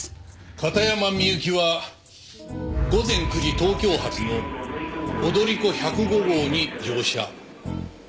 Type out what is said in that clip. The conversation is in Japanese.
片山みゆきは午前９時東京発の踊り子１０５号に乗車。